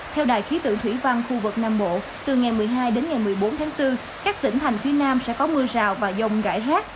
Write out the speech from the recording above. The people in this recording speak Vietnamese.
theo đài khí tượng thủy văn khu vực nam bộ từ ngày một mươi hai đến ngày một mươi bốn tháng bốn các tỉnh thành phía nam sẽ có mưa rào và dông rải rác